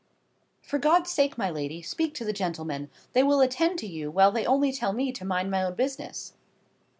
For God's sake, my lady, speak to the gentlemen; they will attend to you, while they only tell me to mind my own business."